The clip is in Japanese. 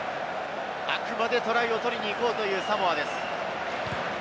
あくまでトライを取りに行こうというサモアです。